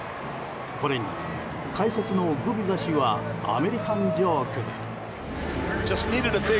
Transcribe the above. これに解説のグビザ氏はアメリカンジョークで。